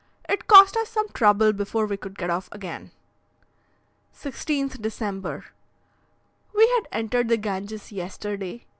It cost us some trouble before we could get off again. 16th December. We had entered the Ganges yesterday.